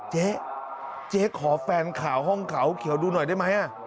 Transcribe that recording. เจ๊เจ๊ขอแฟนข่าวห้องเขาเขียวดูหน่อยได้ไหม